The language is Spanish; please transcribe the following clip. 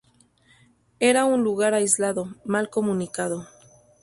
Era un lugar aislado, mal comunicado.